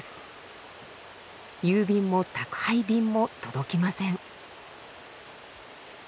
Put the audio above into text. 郵便も宅配便も届きません。